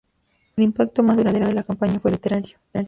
El impacto más duradero de la campaña fue literario.